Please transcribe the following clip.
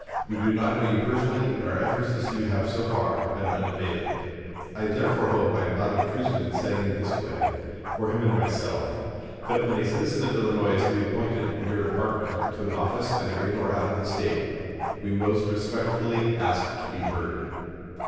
We do not know you personally, and our efforts to see you have, so far, been unavailing. I therefore hope I am not obtrusive in saying in this way, for him and myself, that when a citizen of Illinois is to be appointed, in your department, to an office, either in or out of the State, we most respectfully ask to be heard."